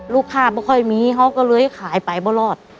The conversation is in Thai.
ลูกข้าพอค่อยมีเค้าก็เลยขายไปไม่รอด